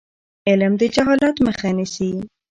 علم د جهالت مخه نیسي.